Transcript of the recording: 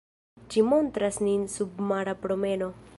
Ĝi montras nin submara promeno.